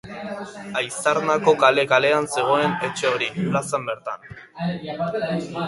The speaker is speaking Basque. Aizarnako kale-kalean zegoen etxe hori; plazan bertan.